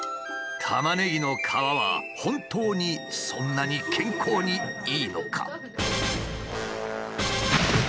タマネギの皮は本当にそんなに健康にいいのか？